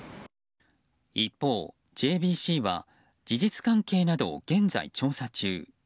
一方、ＪＢＣは事実関係などを現在、調査中。